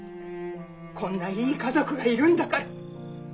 こんないい家族がいるんだから。